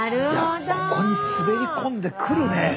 いやここに滑り込んでくるね。